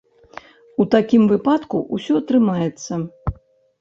У такім выпадку ўсё атрымаецца.